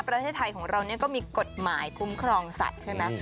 ประเทศไทยของเราก็มีกฎหมายคุ้มครองสัตว์ใช่ไหม